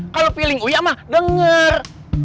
kalau feeling uya mah denger